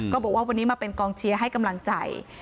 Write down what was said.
บอกว่าวันนี้มาเป็นกองเชียร์ให้กำลังใจ